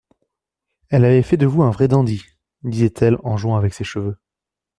Elle avait fait de vous un vrai dandy, disait-elle en jouant avec ses cheveux.